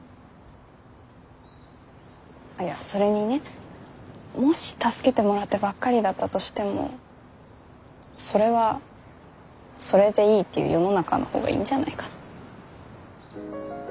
あっいやそれにねもし助けてもらってばっかりだったとしてもそれはそれでいいっていう世の中の方がいいんじゃないかな。